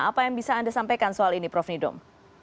apa yang bisa anda sampaikan soal ini prof nidom